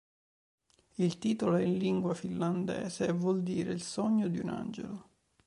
Il titolo è in lingua finlandese e vuol dire "Il sogno di un angelo".